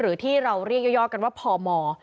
หรือที่เราเรียกย่อกันว่าพม